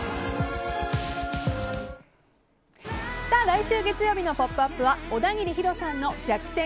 来週月曜日の「ポップＵＰ！」は小田切ヒロさんの逆転！